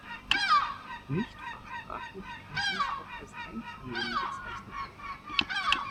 Nicht-fachsprachlich kann dies auch als "Einvernehmen" bezeichnet werden.